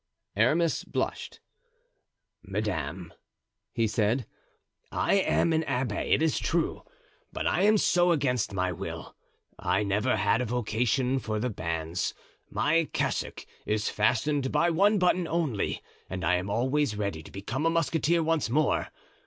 Aramis blushed. "Madame," he said, "I am an abbé, it is true, but I am so against my will. I never had a vocation for the bands; my cassock is fastened by one button only, and I am always ready to become a musketeer once more.